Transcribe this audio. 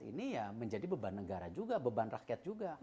ini ya menjadi beban negara juga beban rakyat juga